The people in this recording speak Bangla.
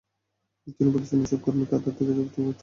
তিনি বলেছেন, এসব কর্মীর কাতার যেতে খুব একটা খরচ হবে না।